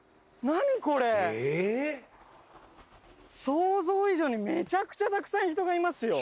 想像以上にめちゃくちゃたくさん人がいますよ。